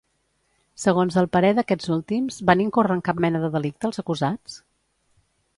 Segons el parer d'aquests últims, van incórrer en cap mena de delicte els acusats?